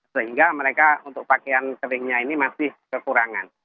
sehingga mereka untuk pakaian keringnya ini masih kekurangan